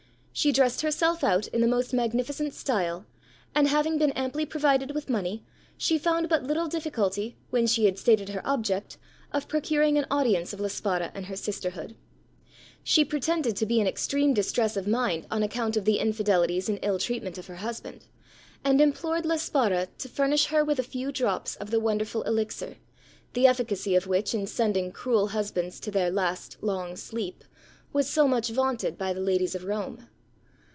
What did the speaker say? She dressed herself out in the most magnificent style; and having been amply provided with money, she found but little difficulty, when she had stated her object, of procuring an audience of La Spara and her sisterhood. She pretended to be in extreme distress of mind on account of the infidelities and ill treatment of her husband, and implored La Spara to furnish her with a few drops of the wonderful elixir, the efficacy of which in sending cruel husbands to "their last long sleep" was so much vaunted by the ladies of Rome.